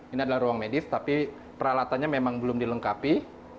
ini adalah ruang medis tapi peralatannya memang belum dilengkapi